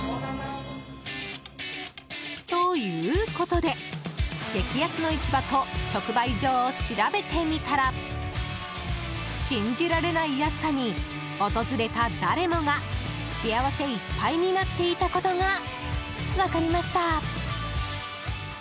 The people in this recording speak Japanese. ということで、激安の市場と直売所を調べてみたら信じられない安さに訪れた誰もが幸せいっぱいになっていたことが分かりました。